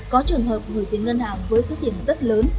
có trường hợp gửi tiền ngân hàng với số tiền rất lớn